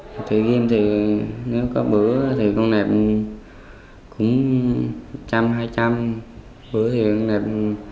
nệp thủy game thì nếu có bữa thì con nệp cũng một trăm linh hai trăm linh bữa thì con nệp năm mươi một trăm linh